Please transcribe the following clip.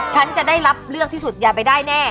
ฉันจะได้รับเลือกที่สุดอย่าไปได้แน่